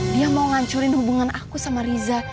dia mau ngancurin hubungan aku sama riza